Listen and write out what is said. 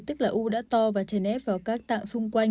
tức là u đã to và chèn ép vào các tạng xung quanh